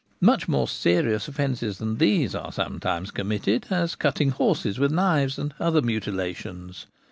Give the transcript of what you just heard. Much more serious offences than these are sometimes committed, as cutting horses with knives, and other mutilations.